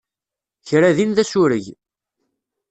Kra din d asureg.